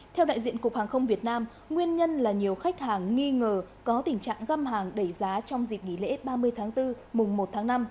theo đại diện cục hàng không việt nam nguyên nhân là nhiều khách hàng nghi ngờ có tình trạng găm hàng đẩy giá trong dịp nghỉ lễ ba mươi tháng bốn mùng một tháng năm